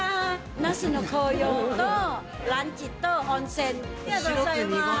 那須の紅葉とランチと温泉。